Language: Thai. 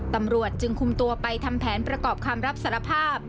ตำรวจจึงคุมตัวไปทำแผนประกอบคำรับสารภาพ